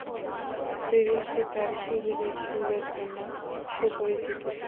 সিরিজটি তার শিবিরের সুরের জন্য সুপরিচিত ছিল।